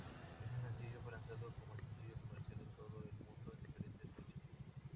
Este sencillo fue lanzado como sencillo comercial en todo el mundo en diferentes fechas.